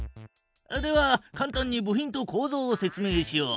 ではかん単に部品とこうぞうを説明しよう。